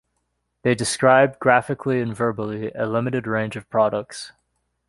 They describe, graphically and verbally, a limited range of products.